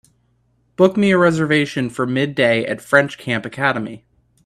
Book me a reservation for midday at French Camp Academy